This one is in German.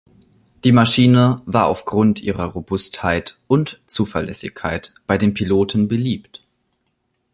Die Maschine war aufgrund ihrer Robustheit und Zuverlässigkeit bei den Piloten beliebt.